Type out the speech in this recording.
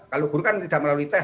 kalau guru kan tidak melalui tes